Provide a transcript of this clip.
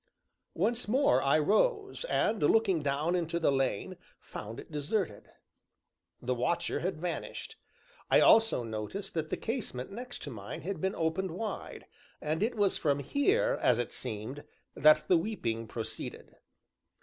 Once more I rose, and looking down into the lane, found it deserted; the watcher had vanished. I also noticed that the casement next to mine had been opened wide, and it was from here, as it seemed, that the weeping proceeded.